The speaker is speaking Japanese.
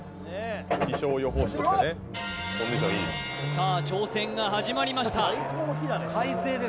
さあ挑戦が始まりました